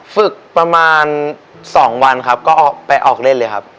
ฝึกประมาณ๒วันครับก็ไปออกเล่นเลยครับ